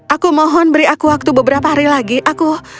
aku mohon beri aku waktu beberapa hari lagi aku